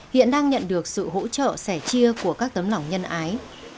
hiện đang nhận được sự hỗ trợ sẻ chia của các tấm lòng nhân ái